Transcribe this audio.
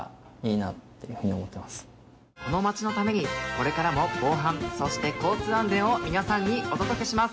これからも防犯そして交通安全を皆さんにお届けします。